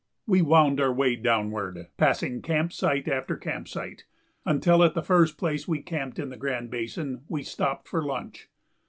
We wound our way downward, passing camp site after camp site, until at the first place we camped in the Grand Basin we stopped for lunch.